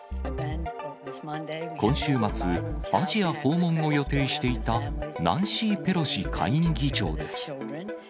今週末、アジア訪問を予定していたナンシー・ペロシ下院議長です。